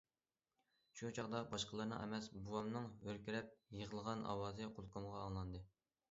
شۇ چاغدا باشقىلارنىڭ ئەمەس، بوۋامنىڭ ھۆركىرەپ يىغلىغان ئاۋازى قۇلىقىمغا ئاڭلاندى.